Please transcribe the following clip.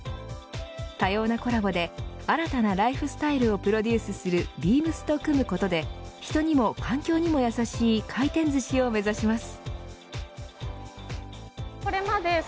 多様なコラボで新たなライフスタイルをプロデュースするビームスと組むことで人にも環境にも優しい回転寿司を目指します。